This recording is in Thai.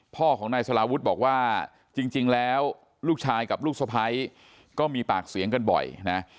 พ่อของนายสลาวุฒิบอกว่าจริงแล้วลูกชายกับลูกสะพ้ายก็มีปากเสียงกันบ่อยนะ